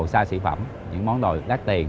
sa sĩ phẩm những món đồ đắt tiền